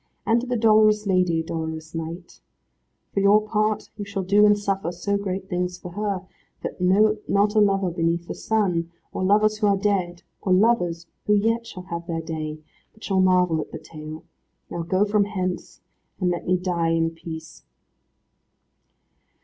And to the dolorous lady, dolorous knight. For your part you shall do and suffer so great things for her, that not a lover beneath the sun, or lovers who are dead, or lovers who yet shall have their day, but shall marvel at the tale. Now, go from hence, and let me die in peace."